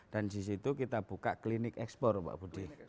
di situ kita buka klinik ekspor pak budi